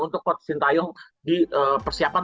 untuk port sintayong di persiapan